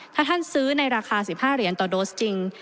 ถ้าท่านซื้อในราคา๑๕เหรียญต่อโดสจริง